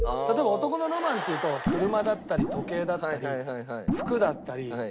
例えば男のロマンっていうと車だったり時計だったり服だったり。